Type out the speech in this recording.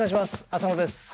浅野です。